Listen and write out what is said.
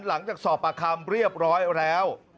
หลังจากสอบปากคำเรียบร้อยแล้ว